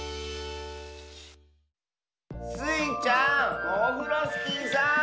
スイちゃんオフロスキーさん。